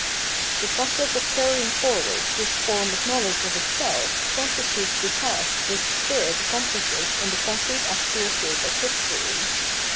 The process of carrying forward this form of know 815 Absolute Knowledge ledge of itself constitutes th.e task wliich. spirit accom plishes in the concrete actual shape of History.